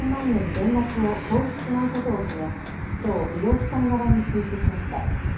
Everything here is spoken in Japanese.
全額を交付しないことを決めきょう医療機関側に通知しました。